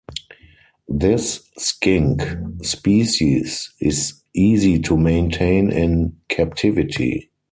This skink species is easy to maintain in captivity.